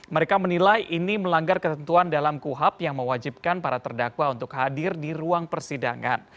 mereka menilai ini melanggar ketentuan dalam kuhap yang mewajibkan para terdakwa untuk hadir di ruang persidangan